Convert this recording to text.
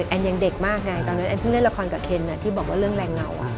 แอนยังเด็กมากไงตอนนั้นแอนเพิ่งเล่นละครกับเคนที่บอกว่าเรื่องแรงเงา